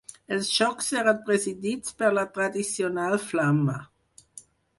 Els jocs seran presidits per la tradicional flama.